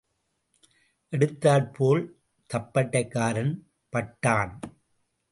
எடுத்தாற் போல் தப்பட்டைக்காரன் பட்டான்.